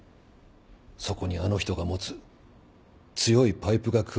そこにあの人が持つ強いパイプが加わる。